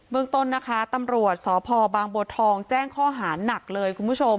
เมืองตนนะครับตำรวจบางบัวทองแจ้งข้อหาหนักเลย